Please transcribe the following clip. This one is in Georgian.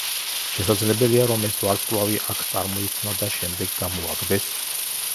შესაძლებელია, რომ ეს ვარსკვლავი აქ წარმოიქმნა და შემდეგ გამოაგდეს?